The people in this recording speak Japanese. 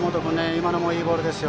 今のもいいボールですよ。